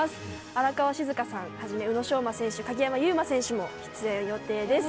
荒川静香さんはじめ宇野昌磨さん、鍵山優真さん出演予定です。